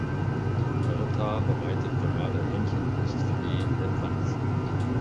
Berta bereitet gerade Hähnchenbrustfilet in der Pfanne zu.